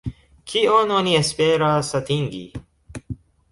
Kion oni esperas atingi?